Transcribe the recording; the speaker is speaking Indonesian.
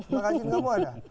makasih kamu ada